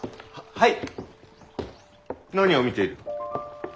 はい。